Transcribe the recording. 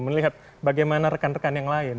melihat bagaimana rekan rekan yang lain